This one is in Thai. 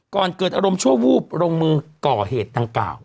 ก่อนเกิดอารมณ์ชั่ววูบลงมือก่อเหตุดังกล่าว